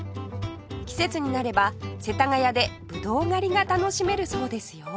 季節になれば世田谷でブドウ狩りが楽しめるそうですよ